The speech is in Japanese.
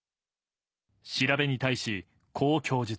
調べに対し、こう供述。